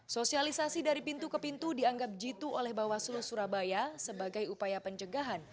sosialisasi dari pintu ke pintu dianggap jitu oleh bawaslu surabaya sebagai upaya pencegahan